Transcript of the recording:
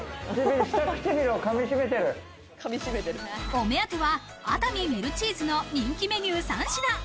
お目当ては熱海ミルチーズの人気メニュー３品。